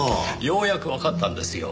ようやくわかったんですよ。